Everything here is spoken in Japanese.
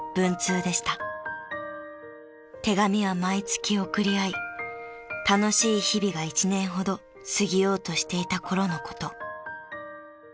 ［手紙は毎月送り合い楽しい日々が１年ほど過ぎようとしていた頃のこと］